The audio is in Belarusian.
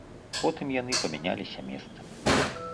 Потым яны памяняліся месцамі.